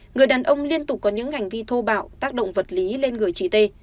người đàn ông liên tục có những hành vi thô bạo tác động vật lý lên người chị t